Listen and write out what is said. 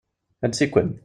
Ansi-ken?